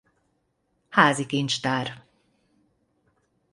Házi Kincstár.